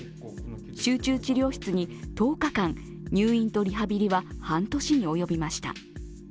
集中治療室に１０日間、入院とリハビリは半年に及びました。